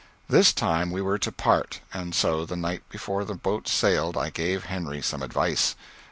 This time we were to part, and so the night before the boat sailed I gave Henry some advice.